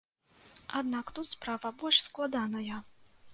Аднак тут справа больш складаная.